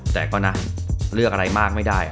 แต่ก็นะเลือกอะไรมากไม่ได้